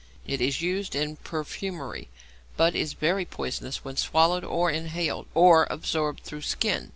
It is used in perfumery, but is very poisonous when swallowed, or inhaled, or absorbed through skin.